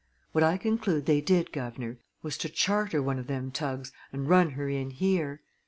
What I conclude they did, guv'nor, was to charter one o' them tugs and run her in here.